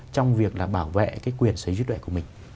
trong việc là bảo vệ cái quyền sở hữu trí tuệ của mình